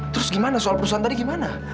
terus gimana soal perusahaan tadi gimana